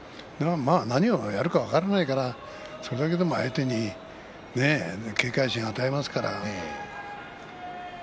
何をやるか分からないからそれだけでも相手に警戒心を与えますからね。